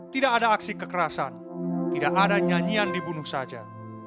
tidak ada aksi kekerasan tidak ada nyanyian dibunuh saja